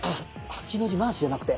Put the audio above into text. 「８の字回し」じゃなくて？